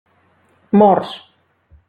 Morts.